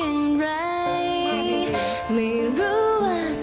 เฮ่ยร้องเป็นเด็กเลยอ่ะภรรยาเซอร์ไพรส์สามีแบบนี้ค่ะภรรยาเซอร์ไพรส์สามีแบบนี้ค่ะ